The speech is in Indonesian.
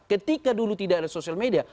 ketika dulu tidak ada sosial media